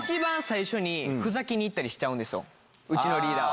一番最初にふざけにいったりしちゃうんですよ、うちのリーダーは。